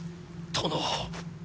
殿。